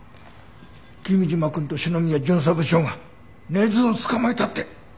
君嶋くんと篠宮巡査部長が根津を捕まえたって！